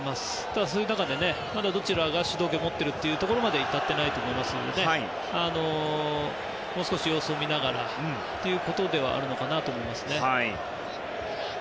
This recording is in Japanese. ただ、その中でまだどちらが主導権を持っているというところまでは至っていないと思いますのでもう少し様子を見ながらということだと思います。